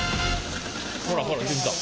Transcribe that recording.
ほらほら出てきた。